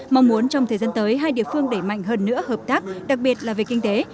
mong muốn trong thời gian tới hai địa phương đẩy mạnh hơn nữa hợp tác đặc biệt là về kinh tế